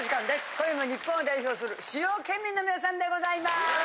今夜も日本を代表する主要県民の皆さんでございます！